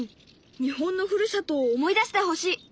日本のふるさとを思い出してほしい。